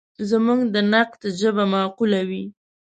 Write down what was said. زموږ د نقد ژبه معقوله وي.